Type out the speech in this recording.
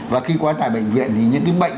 và khi quá tải bệnh viện thì những cái bệnh